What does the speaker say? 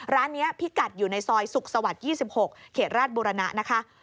ร้านนี้พิกัดอยู่ในซอยสุขสวรรค์๒๖เขตราชบุรณะนะคะ